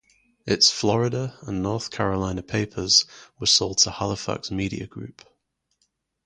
Its Florida and North Carolina papers were sold to Halifax Media Group.